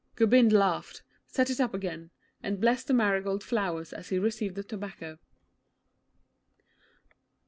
Gobind laughed, set it up again, and blessed the marigold flowers as he received the tobacco.